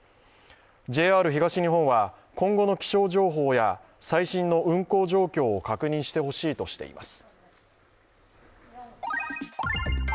ＪＲ東日本は今後の気象情報や最新の運行状況を確認してほしいとしています。